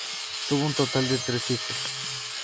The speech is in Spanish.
Tuvo un total de tres hijos.